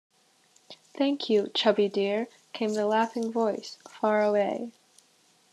“Thank you, Chubby dear!” came the laughing voice, far away.